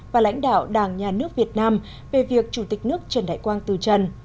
và lãnh đạo đảng nhà nước việt nam về việc chủ tịch nước trần đại quang từ trần